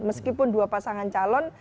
meskipun dua pasangan calon